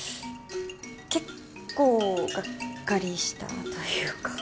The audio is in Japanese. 結構がっかりしたというか。